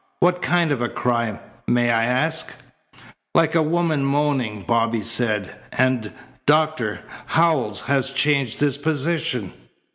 What kind of a cry may I ask?" "Like a woman moaning," Bobby said, "and, Doctor, Howells has changed his position."